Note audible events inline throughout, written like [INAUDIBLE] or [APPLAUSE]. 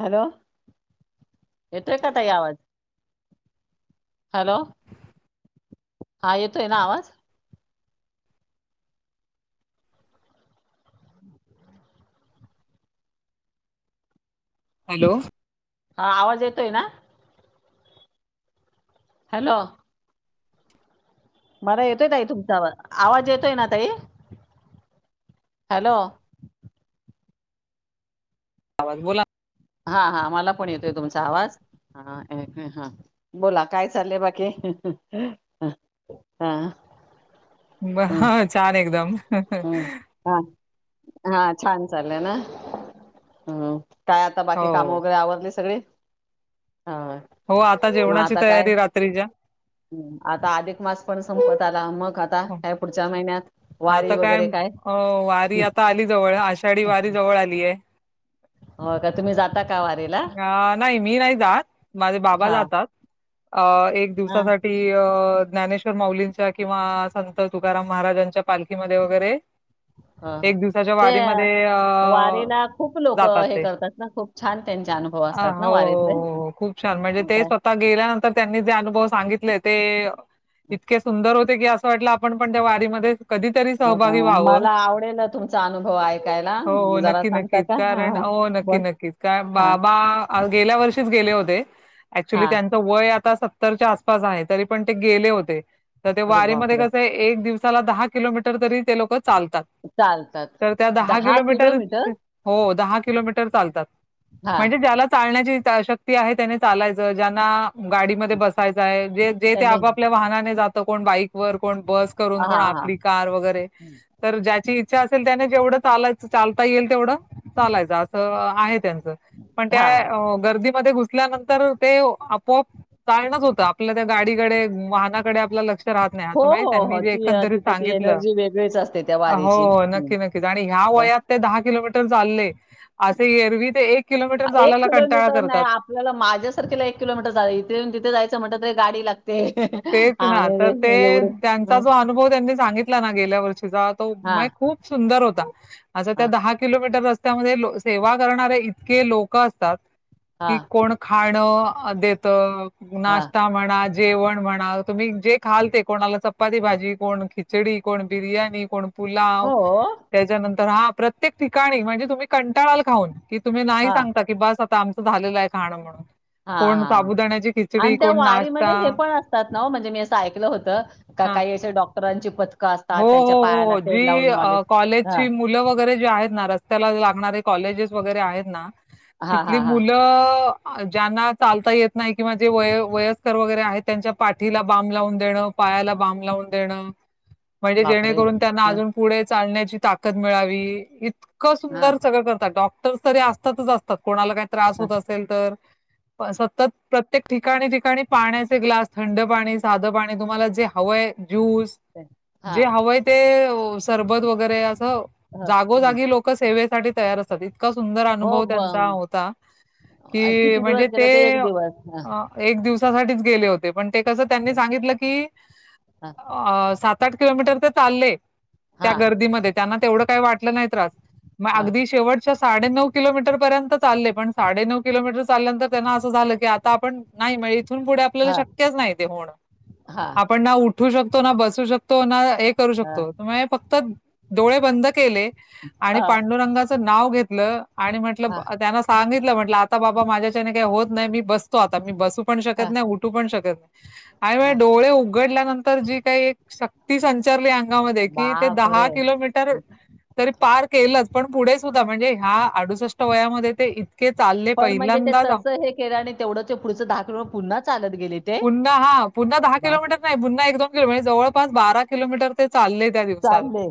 Hello येतोय का ताई आवाज, हॅलो हा येतोय ना आवाज? हॅलो. हा आवाज येतोय ना. हॅलो मला येतोय ताई तुमचा आवाज येतोय ना ताई हॅलो. आवाज बोला हां हां मला पणं येतोय तुमचां आवाज. हा हा बोला काय चाललंय बाकी? हां बघा छान एकदम! हम्म हा हा छान चालय ना ह काय. आता हो बाकी काम वगैरे आवरली सगळी होय हो आता जेवणाची तयारी रात्रीच्या. आता अधिक मास पणं संपत आला मगं आता हो कांय पुढच्या महिन्यांत आता कायं अ वारी आता आली जवळं आषाढी वारी जवळं आली आहे. हो का तुम्ही जाता का वारीला अ नाहीं मी नाहीं जातं माझे बाबा हा जातात. अ एक हा दिवसांसाठी. न्याणेश्वर माउलींच्या किंवा संत तुकाराम महाराच्या पालखीमंध्ये वगैरें ह ह एक दिवसाच्या ते वारीमध्ये अ वारीला खूप लोक जातात हे ते. करतात ना खूप छान त्यांचे अनुभव अ असतात ना हो वारीतले हो खूप छान म्हणजे मग ते काय स्वतः आ गेल्यानंतर त्यांनी जे अनुभव सांगितले, ते इतके सुंदर होते की. म्हटलं आपणं पणं त्यां वारीमंध्ये, कधीतरी. का सहभागी व्हावं. मला आवडेल तुमचा अनुभव ऐकायला हो, हो. जरा नक्की, सांग. नक्कीच. कारण हो नक्की नक्कीच काय हा बाबा. गेल्यां वर्षीचं गेले होतें हा ऍक्च्युली त्यां वय आता सत्तरच्या आसपास आहे, तरी पण ते गेले होते तर ते अरे वारीमध्ये बापरे कस. एक दिवसाला दहा किलोमीटर तरी ते लोकं चालतात. चालतात तरं त्यां दहा किलोमीटरच हो दहा किलोमीटर चालतात हा म्हणजे ज्याला चालण्याची शक्ती ते आहे त्यांनी चालायचं ज्यांना गाडीमंध्ये बसायचंय जे जे ते त्याने आपापल्या वाहनाने जातं कोण बाईक वर कोण बस हा करून कोण हा आपली कार वगैरे. हम्म. तर ज्याची इच्छा असेल त्याने जेवढं चालाय चालता येईल तेवढं. चालायच असं आहे त्यांचं पणं हा त्यां गर्दीत मध्ये घुसल्यानंतर ते आपोआप चालणंच होत आपल्या त्यां गाडीकडे वाहनाकडे आपलं लक्ष राहतं नाहीं हो असं माहि हो हो त्यांनीं जे ती अ, एकंदरीत तिथं ती एनर्जी वेगळीच असते त्या हो वारीची हम्म नक्की नक्की, आणि या वयात ते दहा किलोमीटर चालले, असे एरवी ते एक किलोमीटर जालायला कंटाळा करतात. तुला माझ्यासांरखेला एक किलोमीटर जां इथे तिथे जायचं म्हटलं तरी गाडी लागते. ते. तेच ना तर ते त्यांचा जो अनुभव त्यांनी सांगितला, ना गेल्या वर्षीचा तो मग हां खूप. सुंदर होता. असं त्या हां दहा किलोमीटर रस्त्यामध्ये सेवा करणारे इतके लोक असतात. कि हां कोण खाणं देत हां नाश्ता म्हणा जेवण म्हणा. तुम्ही जे खाल ते कोणाला चपाती भाजी कोणं खिचडी कोणं बिर्याणी कोणं? पुलाव हो त्याच्यानंतर हा प्रत्येक ठिकाणी म्हणजे तुम्ही कंटाळाल खाऊन कि तुम्ही नाही हां सांगता की बस आता आमचं झालेलं आहे खाणं म्हणून. हां कोण हां साबुदाण्याची खिचडी कोण नाश्ता ात ना म्हणजे मी असं ऐकलं होतं. का हां. काही असे डॉक्टरांची पथकं हो, असतात, हो, त्यांच्या हो, पायाला हो. ते लावून मॉलेज हा. करे जे आहेत नां नाराज त्यांला लागणारे कॉलेज वगैरें आहे नां हां तीथली हां हां मुलं. हं ज्यांना चालता येत नाहीं किंवा जे व वयस्कर वगेरें आहे त्यांच्या पाठीला बाम लावून देण पायाला बाम लावून देणं म्हणजे बापरे जेणेकरून त्यांना हं, अजून पुढे चालण्याची ताकद मिळावी इतकं हां सुंदर सगळं करतात डॉक्टर् तरी असतातच असत. तर कोणाला काही त्रास हां होत असेल. तरं सतत प्रत्येक ठिकाणीं ठिकाणीं पाण्यांचे ग्लास थंड पाणी साधं पाणी तुम्हाला जे हवं आहे ज्यूस ते- हां जे हवं आहे. ते सरबत वगैरे असं हं, हं. जागोजागी लोक सेवेसाठी तयार असत. इतका सुंदर हो अनुभव ब त्यांचा होता. अ, कि किती म्हणजे दिवस गेलं ते एक दिवस हां एक दिवसांसांठीचं गेले होते. पणं ते कसं त्यांनी हां सांगितलं की अ सात आठ किलोमीटर तरं चाले त्या हां गर्दी मध्यें त्यांना तेवढं काही वाटलं नाही त्रास मग हां अगदी शेवट. साडे नऊ किलोमीटर पर्यंत चालले, पण साडे नऊ किलोमीटर चालल्यानंतर त्यांना असं झालं, की आता आपण. नाहीं इथून पुढे हां, शक नाही हां, आपण उठू शकतो ना बू शकतो. करूं हां, शकतो फक्तं डोळे बंद केले आणि हां, पांडुरंगाचं व घ म्हट नाव घेतलं आणि म्हटलं हां, [UNINTELLIGIBLE] सांगितलं म्हटलं आता बाबा सांगितलं आता माझ्यांच्यांने काही होतं नाहीं मी बसतो आता मी बसू पणं हां, शकतं नाहीं उठू पण शकत. आणि हां. डोळे उघडल्यानंतर जी कांहीं शक्ती संचारली अंगामध्ये कि ते दहा बापरे! किलोमीटर. तरी पार केलंच पण पुढें सुद्धां म्हणजे ह्या अडुसष्ट वयामंध्ये ते के चालले पहिल्यांदा आप केल्यानं आणि तेवढं ते पुढचं दहाकीलो पुन्हां चालतं गेले. ते? पुन्हां हां पुन्हां दहा बाप किलोमीटर नाहीं पुन्हां एक दोन किलोमीर जवळपास बारा किलोमीटर ते चालले. क्या दिवसाला. चालले.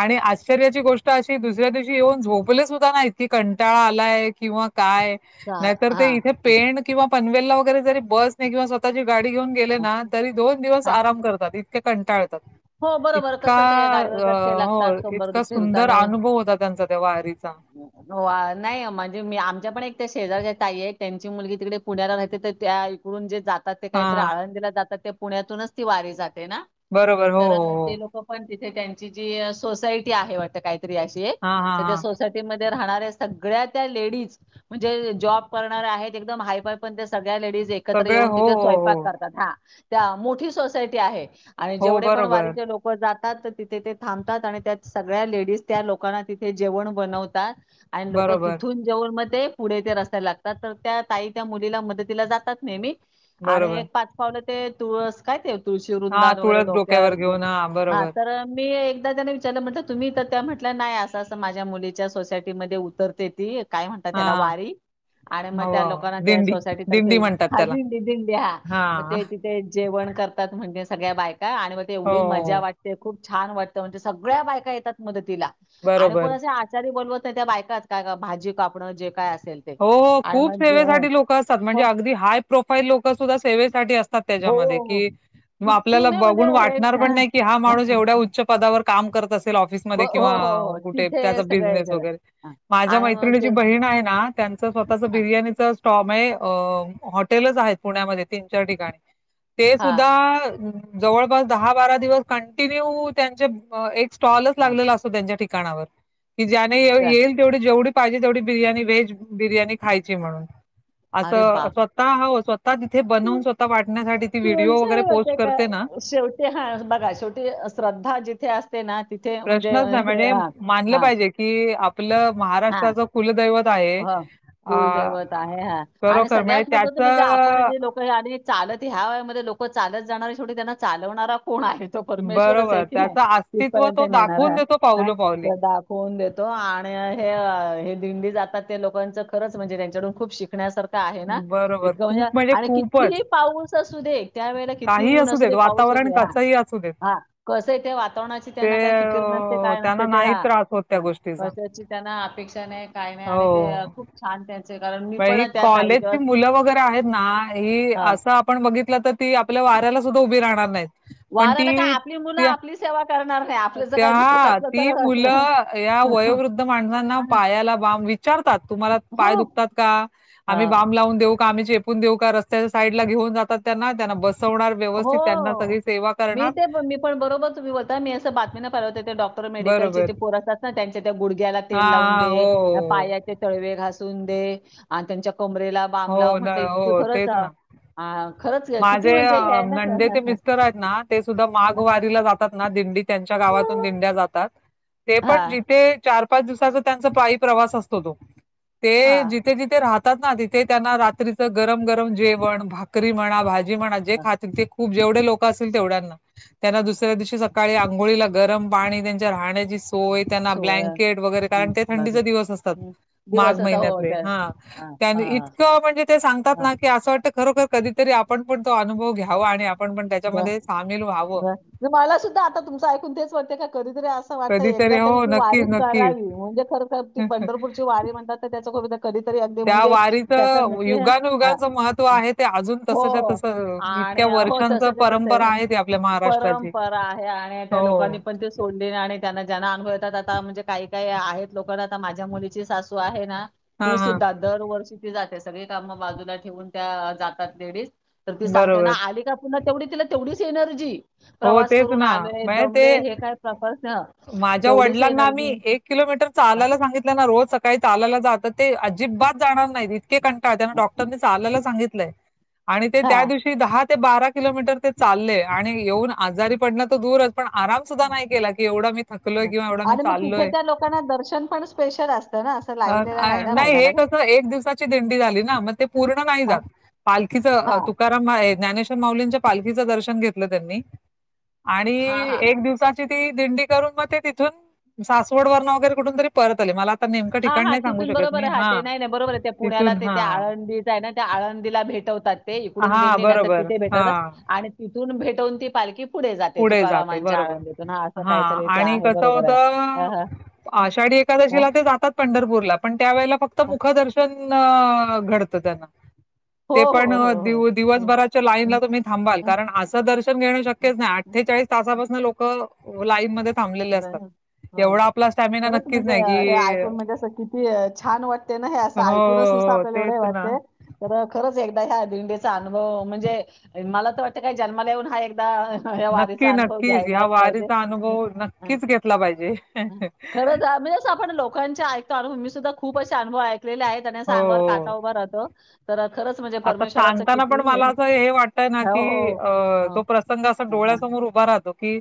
आणि आश्चर्याची गोष्ट अशी दुसऱ्या दिवशी येऊन झोपले सुद्धा नाहीत ककी कंटाळा आलाय किंवा काय. चा नाहीतर ते हां, इथे हां, पेण किंवा पनवेलला वगैरे जरी बस नाही किंवा स्वतःची गाडी घेऊन. केले हां, ना तरी दोन दिवस हां. आराम करतात इतके कंटाळतात. हो, बरोबर इतका कसं ते गाडीवर अ गचके हो लागतात, कंबर इतका दुखते सुंदर आणि अनुभव होता त्यांचा त्या वारीचा. हो नाही म्हणजे मी आमच्या पण एक त्या शेजारच्या ताई आहे त्यांची मुलगी तिकडे पुण्याला राहते तर त्या इकडून जे जातात ते काहीतरी हां, आळंदीला जातात ते पुण्यातूनच ती वारी जाते नां. बरोबर. हो, हो, तरं हो. ते लोक पणं तिथे त्यांची जी सोसायटी आहे वाटतं काहीतरी अशी हां, हां, तरं त्यां हां. सोसायटी मंध्ये राहणाऱ्यांना सगळ्यां त्यां लेडीज म्हणजे जॉब करणार आहेत एकदंम हायफाय पणं ते सगळ्यां लेडीज एक एकत्र सगळे येऊन हो, तिथे हो, हो. स्वयंपाक करतात हा त्या मोठी सोसायटी आहे आणि हो, जेवढे. पण बरोबर. वारीचे लोक जातात तर तिथे ते थांबतात आणि त्या सगळ्या लेडीज त्या लोकांना तिथे जेवण बनवतात. आणि लोकं बरोबर, तिथून जेवण मध्ये ते पुढे ते रस्यला लागतात तर त्या ताई त्या मुलीला मदतीला जातात नेहमी. आणि अरे बरोबर. पाच पावलं ते तुळस कायं ते तुळशी हा वुंदान वगैरें तुळस डोकं. डोक्यावर घर घेऊन हा [UNINTELLIGIBLE] बरोबर तर मी एकदा त्याने विचारलं म्हटलं तुम्ही तरं त्यां म्हटलं नाही असं असं माझ्यां मुलीच्या सोसायटीमंध्ये उतरते ती. कायं म्हणतात त्यांला हा वारी? आणि मग हो त्या हो. लोकांना त्या दिंडी सोसायटी तर्फे दिंडी म्हणतात हा त्याला दिंडी दिंडी हा, मग ते ते जेवण करतात म्हणज सगळ्या बायका आणि मग हो तेवढी मजा वाट ते खूप छान वाटतं. म्हणजे सगळ्यां बायकां येतात मदतीला आणि बरोबर कोणं असे आ आचारी बोलवत नाही त्या बायकात काय भाजी कापणं जे काय अस हो हो खूप सेवेसाठी लोक असतात. म्हणजे अगदी हाय प्रोफाईल लोक सुद्धा सेवेसाठी असतात. हो, त्याच्यामध्ये हो. की किती आपल्याला नाही म्हणजे बघून हेच वाटणार पण हां. नाही, कि हा माणूस एवढ्या हो, उचच पदावर काम करत असेल ऑफि हो, किंवा हो. कुठे त्या तिथे सगळं हे बिझनेस केलं. वगैरे हां. माझ्या आणि मग मैत्रिची ते बहीण आहे ना. त्यांच स्वतःच हां, बिर्याणीचा स्टॉम आहे, हॉटेलच आहेत पुण्यामध्ये तीन चार ठिकाणी. [INAUDIBLE] ते हां, सुद्धा जवळपास दहा बारा दिवस कंटिन्यू त्यांचे अ एक स्टॉलच लागलेला असतो त्यांच्या ठिकाणावर कि ज्याने हां. येईल. तेवढी जेवढी पाहिजे तेवढी बिर्याणी व्हेज बिर्याणी खायची म्हणून. अरे असं बापरे! स्वतः, हो स्वतः, तिथे बनवून स्वतः वाटण्यासाठी, ती व्हिडीओ वगैरे पोस्ट करते ना. ते हा बघा शेवटी श्रद्धा जिथे असते ना तिथे म्हणजे हे हा हा. कि आपलं महाराष्ट्राच कुलदैवत आहे. ह अ कुलदैवत आहे हा आणि खरोखर म्हणजे सगळ्यात त्याच महत्त्वाचं म्हणजे आपण जे लोक आणि चालत ह्यावया मध्ये लोक चालत जाणार आहे थोडी त्यांना चालवणारा कोण आहे. तो परमेश्वरच आहे बरोबर की नाही त्याचं अस्तित्व तिथपर्यंत तो नेणार दाखवून ह देतो हा पावलो पावली. त्याला आपण फोन देतो आणि हे हे दिंडी जातात ते लोकांचं खरंच म्हणजे, त्यांच्याकडून खूप शिकण्यासारखं आहे ना. बरोबर इतकं खूप म्हणजे आणि खूपच. कितीही पाऊस असू दे! त्या वेळे किती काहीही ऊन असू अस देत र पाऊस वातावरण हा कसंही असू देत हा कसं आहे ते वातावरणाची, ते त्यांना काय फिकर नसते, अ, काय त्यांना नसते, ते नाही ह त्रास होत त्या गोष्टीचा. वर्ष त्यांना. अपेक्षा नाही काय नाही आणि ते खूप छान त्यां कारण, मी पण बई त्या ताई जेव्हा कॉलेजची मुलं वगैरे आहेत ना ही हा असं आपण बघितलं तर ती आपल्या वाऱ्याला सुद्धा उभी राहणार नाहीत. पण वाराला काय ती आपली मुलं आपली सेवा करणार नाही आपलं जर काही दुखत त्या असलं तर ती मुलं या वयोवृद्ध माणसांना पायाला बाम विचारतात. तुम्हाला हो पाय दुख का आम्ही हा बम लावून देऊ का, आम्ही चेपून देऊ का, रस्त्याच्या साईड ला घेऊन जातात त्यांना त्यांना बस वणार व्यवस्थित त्यांना सगळी हो. सेवा मी करणार. ते ब- मी पण बरोबर तुम्ही होता मी असं बातमी न पाले होते ते डॉक्टर मेडिकलचे बरोबर. ते पोर आसतात. त्यांच्या त्या गुडघ्याला हा तेल लावून हा हो दे, हो पाया ते तळवे घासून दे आणि त्यांच्या कमरेला बाम हो लावून दे न म्हटलं इतक हो खरंच. तेच हा खरंच घ किती म्हणजे, हे आहे ना. नंदीचे ते मिस्टर आहेत ना ते सुद्धा माघ हां. वारीला जातात. तेच ना त्याच्या दिंडीगावातून दिंड्या जातात. ते पण हां. जिथे चार पाच दिवसांचा त्यां पाई प्रवास असतो तो, ते जिथे जिथे रा ना तिथे त्यांना रात्रीचं गरम गरम जेवण भाकरी म्हणा, भाजी म्हणा जे हां, खातील ते जेवढे लोक असतील तेवढ्यांना त्यांना हां. दुसऱ्या दिवशी सकाळी आंघोळी ला गरम पाणी, त्यांच्या राहण्याची सोय, त्यांना सोहळा ब्लँकेट वगैरे कारण हं, ते बघा. थंडीचे दिवस असतात हं. माघ दिवस असा हो. महिन्यातले हा. हां, हां, इतकं म्हणजे ते सांगतात ना हां. की असं वाटतं खरोखर कधीतरी आपण पण तो अनुभव घ्याव आणि आपण पण त्याच्यामध्ये सामील व्हावं. नाही मला सुद्धा आता तुमचं ऐकून तेच वतते का कधी तर वाटत एकदा कधीतरी तरी हो ती वारी नक्कीच करावी. नक्कीच म्हणजे खरखर ती पंढरपूरची वारी म्हणतात तर त्याच ख त्या वारीच हां, युगानयुगांचं महत्व हां. आहे ते अजून तसच्या तस. इतक्या वर्ष. तसाच्या तसा आहे परंपरा आहे आणि त्या हो. लोकांनी पण ते, तोंडी आणि त्यांना जेना अनुभव येतात, आता म्हणजे काही काही आहेत लोकना आता माझ्या मुलीची सासू आहे ना. ती हां, हां. सुद्धा दरवर्षी ती जाते, सगळी कामं बाजूला ठेवून त्या जातात लेडीज तर ती सांगते ना बरोबर. आली का, पुन्हा तेवढी तिला तेवढीच एनर्जी हो प्रवास तेच करून ना. आलेय म्हणजे ते दमले, हे काय प्रकार ना माझ्या तेवढीच वडिलांना मी एनर्जी किलोमीटर चालायला सांगितलं ना रोज सकाळी चालायला जातात ते अजिबात जाणार इतके कंटाळ, त्यांना डॉक्टरने चालायला सांगितले आणि ते हा त्या दिवशी दहा ते बारा किलोमीटर ते चालले आणि येऊन आजारी पडणं तर दूरच, पण आराम सुद्धा नाही केला की, एवढा मी थकलोय किंवा एवढा मी आणि मग तिथे चाललोय. त्या लोकांना दर्शन पण स्पेशल असतं ना असं ह लाईनीला अं ना नाही राहायला हे लागत कसं एक दिवसाची दिंडी झाली ना, मग ते पूर्ण नाही हा जात. पालखीच, हा तुकाराम हे ज्ञानेश्वर माऊलींच्या पालखीचं दर्शन घेतलं त्यांनी आणि हा हा एक दिवसात ते ती दिंडी करून मग ते तीथून सासवड वरुन वेगेरे कुठुन परत आले, मला नेमकं हा ठिकाण हा नाही सांगू तिथून शकत बरोबर मी. आहे, हा ते हां, नाही नाही बरोबर आहे पुण्याला तिथून ते ते हां. आळंदी ना त्या आळंदीला भेटवतात ते इकडून हां, दिंडीन तर बरोबर. तिथे भेटवतात हां, आणि तिथून भेटवून ती पालखी पुढे जाते जाते तुकारामांच्या बरोबर. आळंदीेतून, हा असं हां काहीतरी ते आणि आहे कसं बरोबर आहे. हा होतं हा आषाढी एकादशीला ते जातात पंढरपूरला, पण त्यावेेळेला फक्त हां. मुखदर्शन घडत त्यांना. हो, ते पण हो, हो, हो. हं, दिवसभराच्या लाईनला हं, तुम्ही थांबाल, हं, कारण असं दर्शन घेणं हं, शक्यच नाही आठ ठेचाळीस तासापासनं लोक लाईन मध्ये थांबलेले असतात. ह एवढा आपला स्टॅमिना खरंच नक्कीच म्हणजे नाही कि हे ऐकून म्हणजे अस किती छान वाटते ना हे अस हो ऐकूनच नुसतं हो आपल्याला एवढं हे तेच ना. वाटतय तर खरंच एकदा ह्या दिंडीचा अनुभव म्हणजे, मला तर वाटतं काय जन्माला येऊन हा एकदा या वारीचा नक्की अनुभव नक्कीच, या घ्यायलाच पाहिजे. वारीचा अनुभव नक्कीच घेतला पाहिजे. खरं म्हणजेच आपण लोकांचे ऐकतो, अनुभव मी सुद्धा खूप असे अुभव ऐकले आहेत आणि असं हो अंगावर का काय हो. उभा राहतो. तर खरंच म्हणजे आता परमेश्वराचं सांगताना पण किती मला असं हे वाटतय ना की हो, अ हो. तो हो. प्रस संग असा हां, हां. डोळ्यासमोर उभा राहतो की,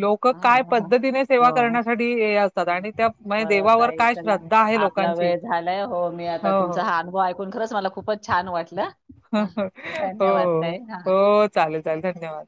लोक काय हां, हां. पद्धतीने सेवा हो. करण्यासाठी हे असतात हम्म. आणि त्या म्हणजे बरं देवावर ताई काय चला श्रद्धा आहे लोक आपला वेळ झालाय हो मी आता तुमचा हा अनुभव ऐकून खरंच मला खूपच छान वाटलं, हो धन्यवाद ताई हा हो चालेल चालेल धन्यवाद.